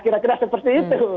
kira kira seperti itu